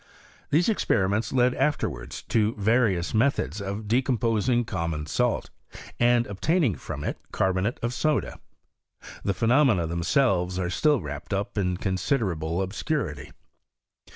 These experiments led afterwards to various methods of decomposing com mon salt, and obtaining from it carbonate of soda. The phenomena themselves are still wrapped up ia considerable obscurity.